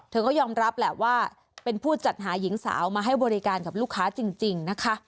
ก็ยอมรับแหละว่าเป็นผู้จัดหาหญิงสาวมาให้บริการกับลูกค้าจริงนะคะ